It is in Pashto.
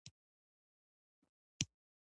دا د فلاني کال د جولای پر څلېرویشتمه وشو.